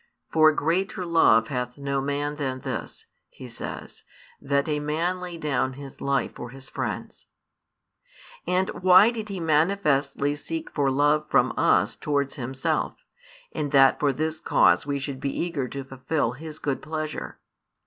For greater love hath no man than this, He says, that a man lay down His life for His friends. And why did He manifestly seek for love from us towards Himself, and that for this cause we should be eager to fulfil His good pleasure?